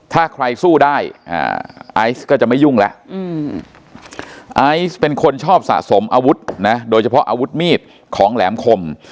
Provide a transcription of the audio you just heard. ถ้าใครสู้ได้ไอซ์ก็จะไม่ยุ่งแล้วไอซ์เป็นคนชอบสะสมอาวุธนะโดยเฉพาะอาวุธมีดของแหลมคม